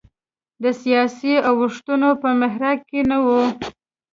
د سیاسي اوښتونونو په محراق کې نه و.